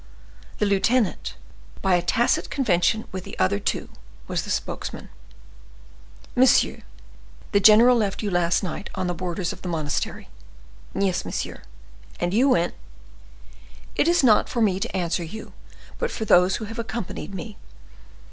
The lieutenant, by a tacit convention with the other two, was spokesman. "Monsieur, the general left you last night on the borders of the monastery." "Yes, monsieur." "And you went—" "It is not for me to answer you, but for those who have accompanied me.